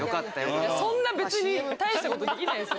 そんな別に大したことできないです。